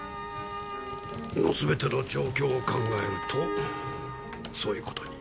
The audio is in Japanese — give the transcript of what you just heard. まあ全ての状況を考えるとそういう事に。